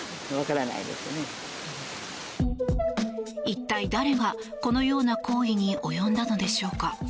一体誰が、このような行為に及んだのでしょうか。